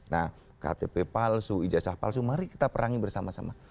nah ktp palsu ijazah palsu mari kita perangi bersama sama